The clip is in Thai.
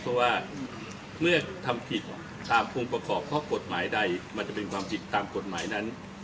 เพราะว่าเมื่อทำผิดตามองค์ประกอบข้อกฎหมายใดมันจะเป็นความผิดตามกฎหมายนั้น